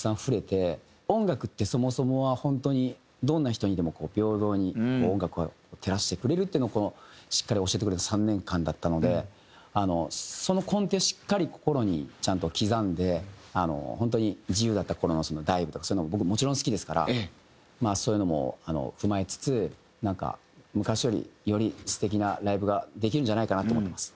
音楽ってそもそもはホントにどんな人にでも平等に音楽は照らしてくれるっていうのをしっかり教えてくれた３年間だったのでその根底をしっかり心にちゃんと刻んでホントに自由だった頃のダイブとかそういうのも僕もちろん好きですからそういうのも踏まえつつなんか昔よりより素敵なライブができるんじゃないかなと思ってます。